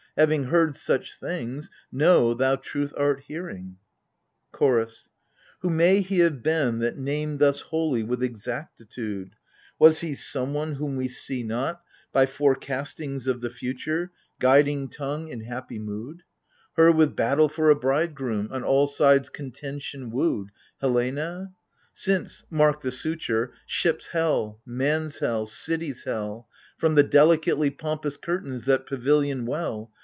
Having heard such things, know, thou truth art hearing ! CHORDS. Who may he have been that named thus wholly with exactitude — (Was he someone whom we see not, by forecastings of the future 58 AGAMEMNON. Guiding tongue in happy mood ?)— Her with battle for a bridegroom, on all sides conten tion wooed, Helena ? Since — mark the suture !— Ship's Hell, Man's Hell, City's Hell, From the delicately pompous curtains that pavilion well.